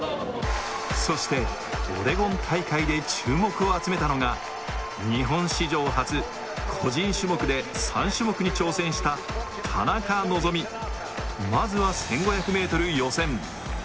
そしてオレゴン大会で注目を集めたのが日本史上初個人種目で３種目に挑戦した田中希実まずは１５００ｍ予選